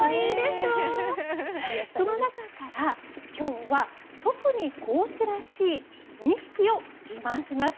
その中からきょうは特に高知らしい２匹を自慢します。